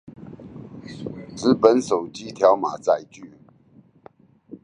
紙本手機條碼載具